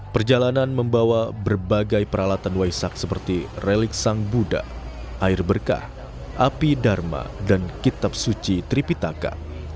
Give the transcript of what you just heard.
perjalanan membawa berbagai peralatan waisak seperti relik sang buddha air berkah api dharma dan kitab suci tripitaka